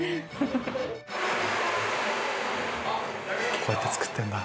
こうやって作ってんだ。